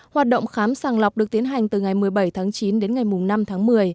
hoạt động khám sàng lọc được tiến hành từ ngày một mươi bảy tháng chín đến ngày năm tháng một mươi